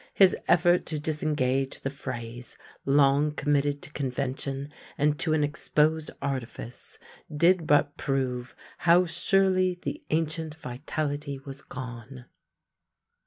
His effort to disengage the phrase long committed to convention and to an exposed artifice did but prove how surely the ancient vitality was gone.